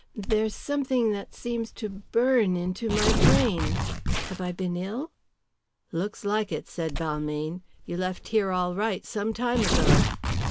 There's something that seems to burn into my brain. Have I been ill?" "Looks like it!" said Balmayne. "You left here all right some time ago."